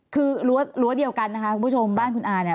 คือรั้วเดียวกันนะคะคุณผู้ชมบ้านคุณอาเนี่ย